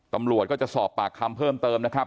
ตำรวจก็จะสอบปากคำเพิ่มเติมนะครับ